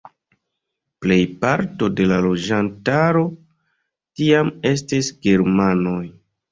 Plejparto de la loĝantaro tiam estis germanoj.